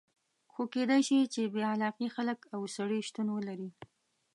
خو کېدای شي چې بې علاقې خلک او سړي شتون ولري.